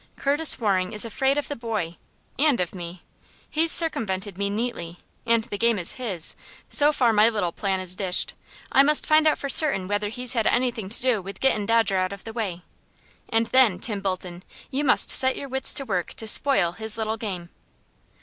"Curtis Waring is afraid of the boy and of me. He's circumvented me neatly, and the game is his so far my little plan is dished. I must find out for certain whether he's had anything to do with gettin' Dodger out of the way, and then, Tim Bolton, you must set your wits to work to spoil his little game."